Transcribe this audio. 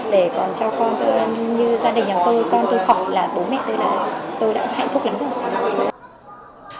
để còn cho con như gia đình nhà tôi con tôi khóc là bố mẹ tôi là tôi đã hạnh phúc lắm rồi